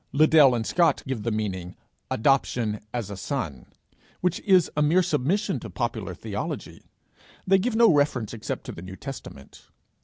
Liddell and Scott give the meaning "Adoption as a son," which is a mere submission to popular theology: they give no reference except to the New Testament.